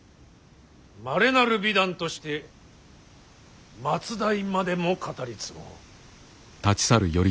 まれなる美談として末代までも語り継ごう。